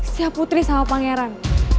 siap putri sama pangeran